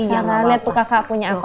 iya malah lihat tuh kakak punya apa